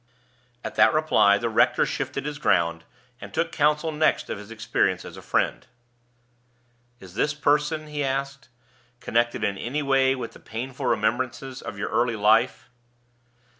At that reply, the rector shifted his ground, and took counsel next of his experience as a friend. "Is this person," he asked, "connected in any way with the painful remembrances of your early life?"